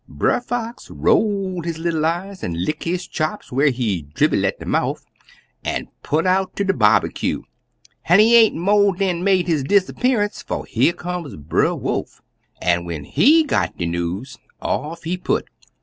"Brer Fox roll his little eyes, an' lick his chops whar he dribble at de mouf, an put out ter de bobbycue, an' he aint mo' dan made his disappearance, 'fo' here come Brer Wolf, an' when he got de news, off he put.